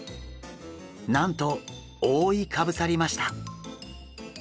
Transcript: なんと覆いかぶさりました！